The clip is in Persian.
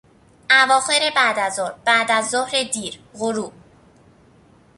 اواخر بعد از ظهر، بعد از ظهر دیر، غروب